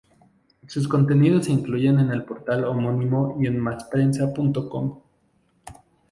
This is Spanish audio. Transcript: Sus contenidos se incluyen en el portal homónimo y en masprensa.com.